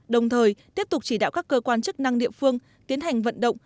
đồng thời tiếp tục chỉ đạo các cơ quan chức năng địa phương tiến hành vận động